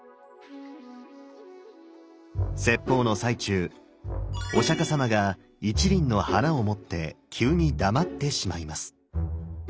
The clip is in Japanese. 説法の最中お釈様が一輪の花を持って急に黙ってしまいます。